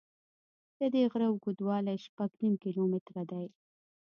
د دې غره اوږدوالی شپږ نیم کیلومتره دی.